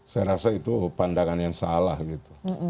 saya rasa itu pandangan yang salah gitu